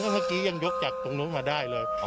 เมื่อกี้ยังยกจากตรงนู้นมาได้เลย